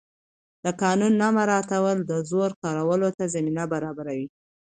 د قانون نه مراعت د زور کارولو ته زمینه برابروي